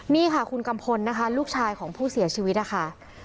นี่ค่ะคุณกัมพลนะคะลูกชายของผู้เสียชีวิตนะคะ